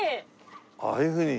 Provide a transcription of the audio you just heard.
ああいうふうに。